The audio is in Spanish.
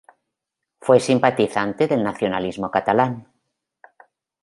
Fue simpatizante del nacionalismo catalán.